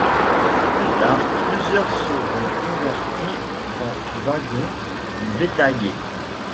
Plus tard, plusieurs seront convertis en wagon bétaillers.